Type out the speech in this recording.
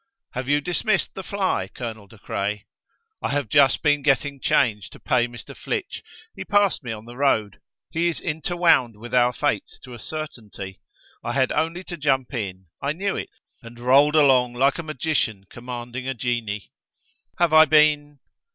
"Have you dismissed the fly, Colonel De Craye?" "I have just been getting change to pay Mr. Flitch. He passed me on the road. He is interwound with our fates to a certainty. I had only to jump in; I knew it, and rolled along like a magician commanding a genie." "Have I been